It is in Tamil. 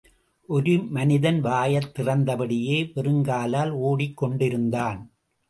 ஒரு மனிதன் வாயைத் திறந்தபடியே, வெறுங்காலால் ஓடிக் கொண்டிருந்தான்.